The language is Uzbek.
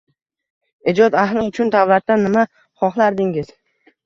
Ijod ahli uchun davlatdan nima xohlardingiz?